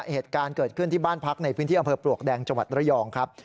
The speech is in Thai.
เหตุการณ์เกิดขึ้นที่บ้านพักในพื้นที่อำเภอปลวกแดงจังหวัดระยองครับ